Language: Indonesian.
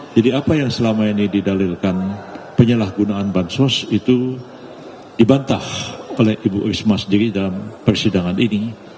jadi apa yang selama ini didalilkan penyalahgunaan bantuan itu dibantah oleh ibu risma sendiri dalam persidangan ini